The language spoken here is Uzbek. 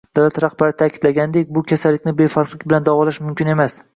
Davlat rahbari ta'kidlaganidek, bu kasallikni befarqlik bilan davolash mumkin emas